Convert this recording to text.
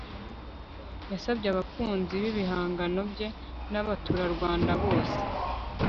yasabye abakunzi b'ibihangano bye n'abaturarwanda bose